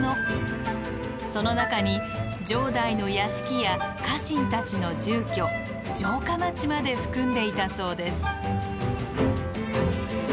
その中に城代の屋敷や家臣たちの住居城下町まで含んでいたそうです。